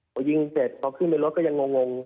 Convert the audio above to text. พอยิงเสร็จพอขึ้นไปรถก็ยังงง